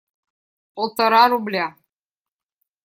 Полтора рубля!